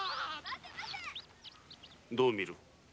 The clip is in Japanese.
どう見る？